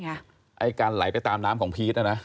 ไอ้การไหลไปตามน้ำของพีชนะนะ